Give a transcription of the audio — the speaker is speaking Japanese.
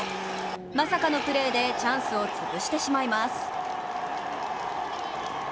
まさかのプレーでチャンスを潰してしまいます